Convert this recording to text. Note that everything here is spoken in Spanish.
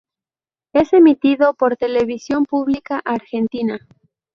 Es emitido por Televisión Pública Argentina.